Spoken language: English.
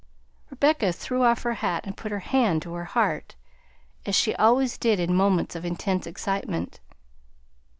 Rebecca threw off her hat and put her hand to her heart, as she always did in moments of intense excitement.